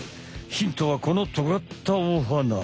ヒントはこのとがったお鼻。